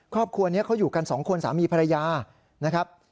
ครอบครัวนี้เขาอยู่กัน๒คนสามีภรรยา